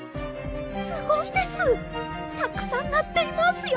すごいですたくさんなっていますよ！